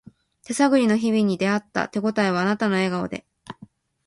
手探りの日々に出会った手ごたえはあなたの笑顔で